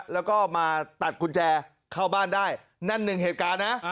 แล้วก็มาตัดกุญแจเข้าบ้านได้นั่นหนึ่งเหตุการณ์นะ